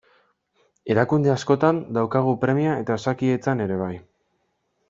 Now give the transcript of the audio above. Erakunde askotan daukagu premia eta Osakidetzan ere bai.